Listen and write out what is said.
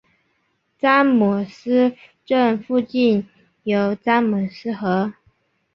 詹姆斯镇附近有詹姆斯河。